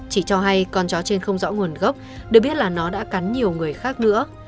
chị cho hay con chó trên không rõ nguồn gốc được biết là nó đã cắn nhiều người khác nữa